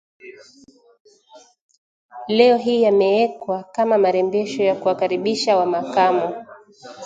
leo hii yameekwa kama marembesho ya kuwakaribisha wa Makamo